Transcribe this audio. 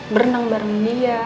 berenang bareng dia